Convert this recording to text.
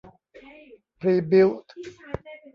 พรีบิลท์